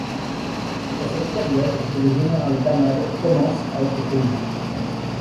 C'est à cette période que le général d'Amade commence à être connu.